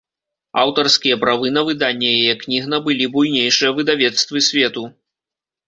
Аўтарскія правы на выданне яе кніг набылі буйнейшыя выдавецтвы свету.